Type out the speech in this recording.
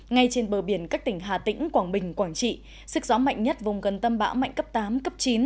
ngay trên bờ biển các tỉnh hà tĩnh quảng bình quảng trị sức gió mạnh nhất vùng gần tâm bão mạnh cấp tám cấp chín